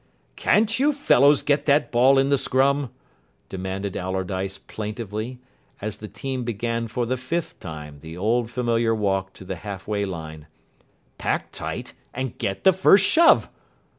"Can't you fellows get that ball in the scrum?" demanded Allardyce plaintively, as the team began for the fifth time the old familiar walk to the half way line. "Pack tight, and get the first shove."